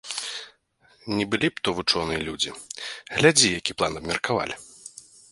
Не былі б то вучоныя людзі, глядзі, які план абмеркавалі.